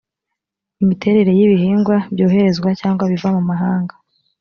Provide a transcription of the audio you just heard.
imiterere y ibihingwa byoherezwa cyangwa biva mu mahanga